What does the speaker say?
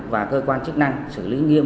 và cơ quan chức năng xử lý nghiêm